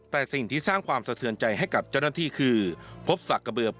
แต่สิ่งที่สร้างความเศรษฐ์เทือนให้กับเจ้าหน้าที่คือ